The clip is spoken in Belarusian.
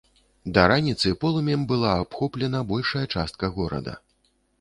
Да раніцы полымем была абхоплена большая частка горада.